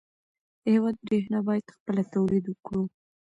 د هېواد برېښنا باید خپله تولید کړو.